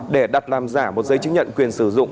để đặt làm giả một giấy chứng nhận quyền sử dụng